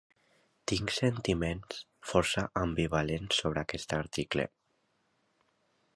Tinc sentiments força ambivalents sobre aquest article.